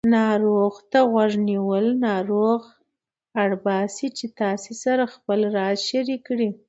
ناروغ ته غوږ نیول ناروغ اړباسي چې تاسې سره خپل راز شریک کړي